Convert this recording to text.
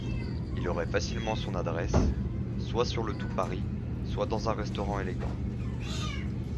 Il aurait facilement son adresse, soit sur le Tout-Paris, soit dans un restaurant élégant.